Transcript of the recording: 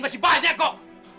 masih banyak kok